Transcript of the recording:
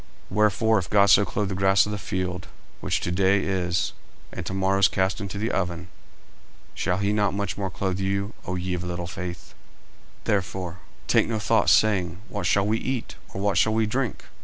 40:006:030 Wherefore, if God so clothe the grass of the field, which to day is, and to morrow is cast into the oven, shall he not much more clothe you, O ye of little faith? 40:006:031 Therefore take no thought, saying, What shall we eat? or, What shall we drink?